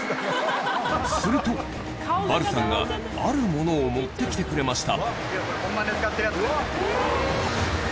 するとバルさんがあるものを持ってきてくれました